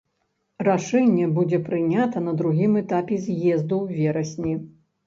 Рашэнне будзе прынята на другім этапе з'езду ў верасні.